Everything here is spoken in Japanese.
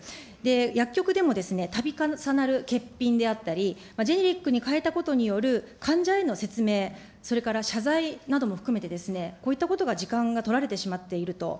薬局でも、たび重なる欠品であったり、ジェネリックにかえたことによる患者への説明、それから謝罪なども含めて、こういったことが時間が取られてしまっていると。